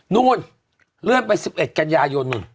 นู้นเลื่อนไปสิบเอ็ดกัญญายนต์นู้น